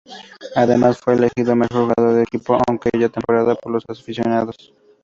Además, fue elegido mejor jugador de su equipo en aquella temporada por los aficionados.